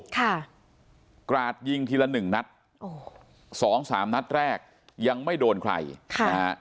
ค่ะกราดยิงทีละหนึ่งนัดโอ้โหสองสามนัดแรกยังไม่โดนใครค่ะนะฮะ